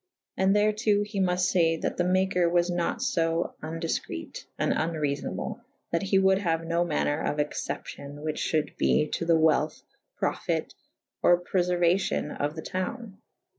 And therto he muft fay that the maker was nat fo vndifcrete & vnreafonable that he wolde haue no maner of excep cion which fhuld be to the welth / prt^fite / or preferuacion of the towne.